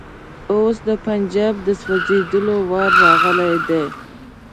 اوس د پنجاب د سوځېدلو وار راغلی دی.